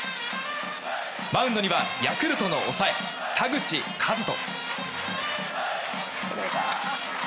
マウンドにはヤクルトの抑え、田口麗斗。